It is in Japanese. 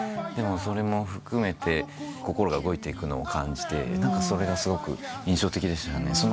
でもそれも含めて心が動いていくのを感じてそれがすごく印象的でしたね。